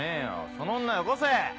その女よこせ！